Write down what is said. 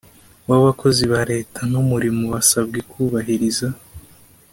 w abakozi ba leta n umurimo basabwe kubahiriza